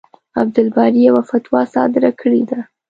عبدالباري يوه فتوا صادره کړې ده.